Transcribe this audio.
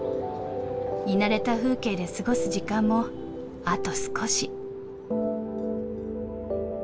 見慣れた風景で過ごす時間もあと少し。